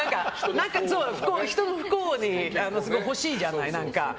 人の不幸をすごい欲しいじゃない。